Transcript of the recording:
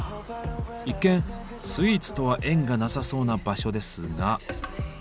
一見スイーツとは縁がなさそうな場所ですが。